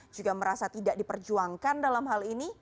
juga merasa tidak diperjuangkan dalam hal ini